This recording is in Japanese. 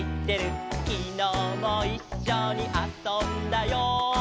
「きのうもいっしょにあそんだよ」